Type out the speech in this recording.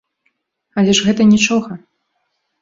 Але ж гэта нічога.